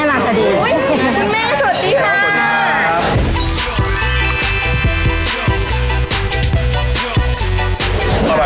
สวัสดีทุกคนขอบคุณครับ